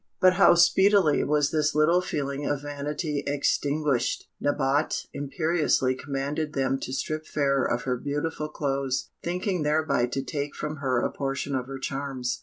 But how speedily was this little feeling of vanity extinguished! Nabote imperiously commanded them to strip Fairer of her beautiful clothes, thinking thereby to take from her a portion of her charms.